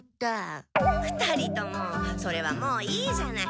２人ともそれはもういいじゃない。